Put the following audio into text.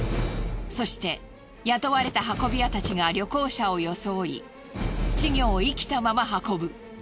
そして雇われた運び屋たちが旅行者を装い稚魚を生きたまま運ぶ。